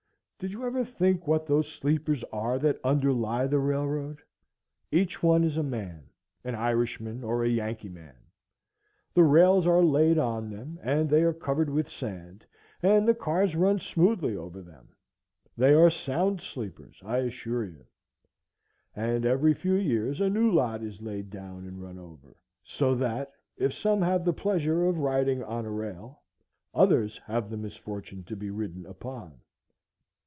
Did you ever think what those sleepers are that underlie the railroad? Each one is a man, an Irish man, or a Yankee man. The rails are laid on them, and they are covered with sand, and the cars run smoothly over them. They are sound sleepers, I assure you. And every few years a new lot is laid down and run over; so that, if some have the pleasure of riding on a rail, others have the misfortune to be ridden upon.